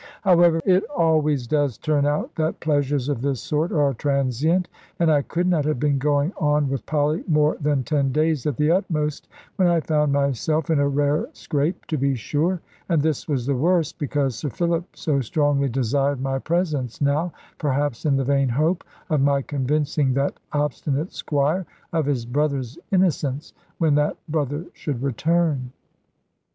However it always does turn out that pleasures of this sort are transient; and I could not have been going on with Polly more than ten days at the utmost, when I found myself in a rare scrape, to be sure. And this was the worse, because Sir Philip so strongly desired my presence now, perhaps in the vain hope of my convincing that obstinate Squire of his brother's innocence, when that brother should return.